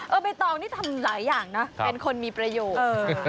ใบตองนี่ทำหลายอย่างนะเป็นคนมีประโยชน์